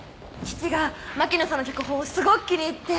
父が牧野さんの脚本をすごく気に入って。